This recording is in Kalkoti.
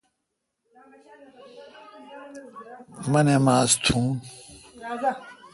مہ نماز تھا یون۔